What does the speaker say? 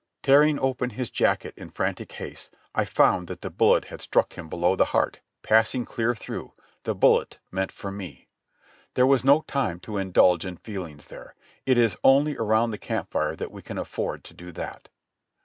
Tearing open his jacket in frantic haste, I found that the bullet had struck 250 JOHNNY REB AND BII.I,Y YANK him below the heart, passing clear through — the bullet meant for me. There was no time to indulge in feelings there; it is only around the camp fire that we can afford to do that.